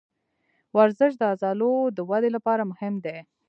ورزش د عضلو د ودې لپاره مهم دی.